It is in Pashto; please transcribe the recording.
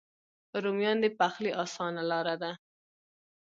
رومیان د پخلي آسانه لاره ده